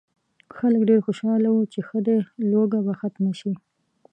خلک ډېر خوشاله وو چې ښه دی لوږه به ختمه شي.